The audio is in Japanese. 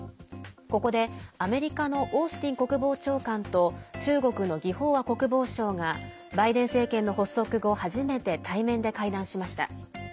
ここで、アメリカのオースティン国防長官と中国の魏鳳和国防相がバイデン政権の発足後初めて対面で会談しました。